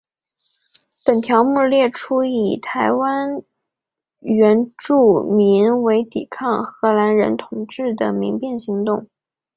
本条目列出以台湾原住民为主的抵抗荷兰人统治的民变行动。